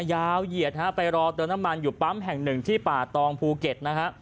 เหยียดฮะไปรอเติมน้ำมันอยู่ปั๊มแห่งหนึ่งที่ป่าตองภูเก็ตนะฮะ